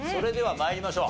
参りましょう。